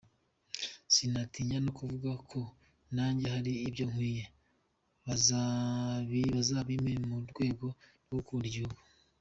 Sinatinya no kuvuga ko nanjye hari ibyo nkwiye, bazabimpe mu rwego rwo gukunda igihugu.